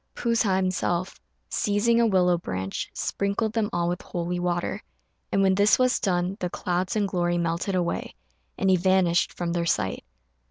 P'u sa himself, seizing a willow branch, sprinkled them all with holy water; and when this was done the clouds and glory melted away, and he vanished from their sight.